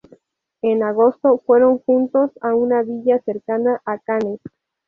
En agosto fueron juntos a una villa cercana a Cannes.